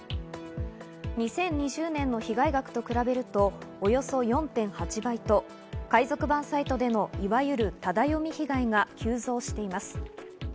２０２０年の被害額と比べるとおよそ４．８倍と海賊版サイトでのいわゆるタダ読み被害が急増しています。